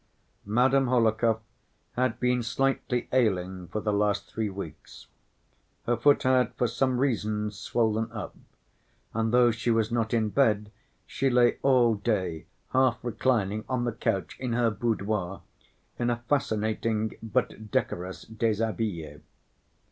Madame Hohlakov had been slightly ailing for the last three weeks: her foot had for some reason swollen up, and though she was not in bed, she lay all day half‐reclining on the couch in her boudoir, in a fascinating but decorous déshabillé.